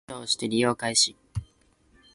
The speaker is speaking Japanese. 本人認証をして利用開始